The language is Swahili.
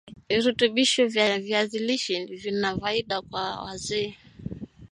Virutubisho vya viazi lishe vina faida kwa wazee